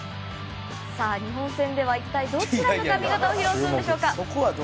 日本戦では一体どちらの髪形を披露するんでしょうか。